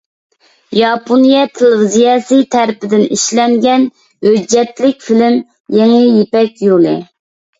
ياپونىيە تېلېۋىزىيەسى تەرىپىدىن ئىشلەنگەن ھۆججەتلىك فىلىم: «يېڭى يىپەك يولى» .